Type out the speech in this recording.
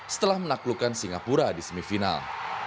setelah menaklukkan singapura di semifinal